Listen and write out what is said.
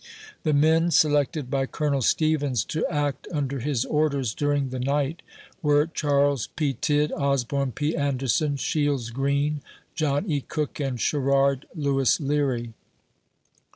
The men selected by Col. Stevens to act under his orders during the night were Charles P. Tidd, Osborne P. Anderson, Shields Green, John E. Cook, and Sherrard Lewis Leary.